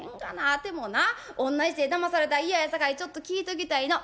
あてもなおんなじ手でだまされたら嫌やさかいちょっと聞いときたいの。